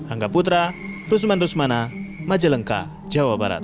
angga putra rusman rusmana majalengka jawa barat